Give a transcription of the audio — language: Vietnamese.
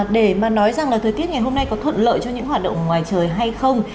để mà nói rằng là thời tiết ngày hôm nay có thuận lợi cho những hoạt động ngoài trời hay không